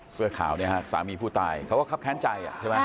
เสื้อขาวเนี่ยฮะสามีผู้ตายเขาก็คับแค้นใจใช่ไหม